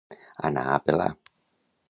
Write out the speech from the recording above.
Anar a pelar.